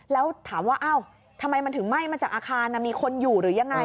แล้วถามว่าอ้าวทำไมมันถึงไหม้มาจากอาคารมีคนอยู่หรือยังไง